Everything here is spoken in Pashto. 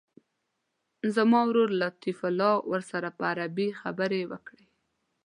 زما ورور لطیف الله به ورسره په عربي خبرې وکړي.